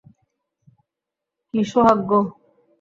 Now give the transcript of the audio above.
কি সোহাগ গো।